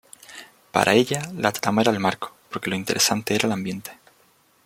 Para ella la trama era el marco porque lo interesante era el ambiente.